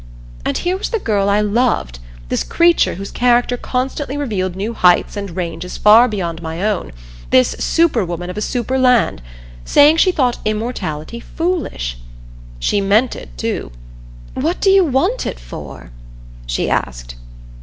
And here was the girl I loved, this creature whose character constantly revealed new heights and ranges far beyond my own, this superwoman of a superland, saying she thought immortality foolish! She meant it, too. "What do you want it for?" she asked.